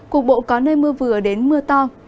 cục bộ có nơi mưa vừa đến mưa to